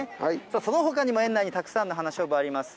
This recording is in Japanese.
そのほかにも、園内にたくさんの花しょうぶあります。